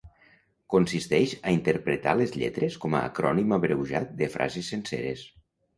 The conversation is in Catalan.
Consisteix a interpretar les lletres com a acrònim abreujat de frases senceres.